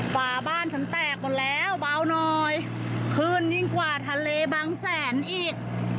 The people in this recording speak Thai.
ฝาบ้านฉันแตกหมดแล้วเบาหน่อยขึ้นยิ่งกว่าทะเลบางแสนอีก